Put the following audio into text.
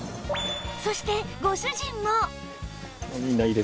そしてご主人も